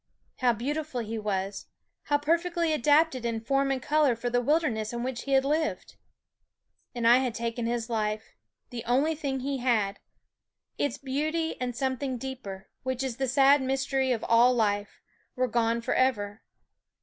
How beautiful he was, how per fectly adapted in form and color for the wil derness in which he had lived ! And I had taken his life, the only thing he had. Its beauty and something deeper, which is the sad mystery of all life, were gone forever.